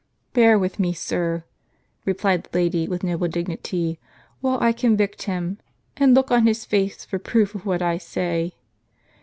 "Bear with me, sir," replied the lady, with noble dignity, "while I convict him; and look on his face for proof of what I say.